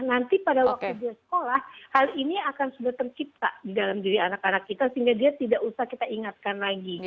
nanti pada waktu dia sekolah hal ini akan sudah tercipta di dalam diri anak anak kita sehingga dia tidak usah kita ingatkan lagi